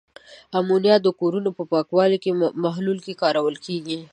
امونیا د کورونو په پاکوونکو محلولونو کې کارول کیږي.